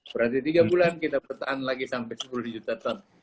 berarti tiga bulan kita bertahan lagi sampai sepuluh juta ton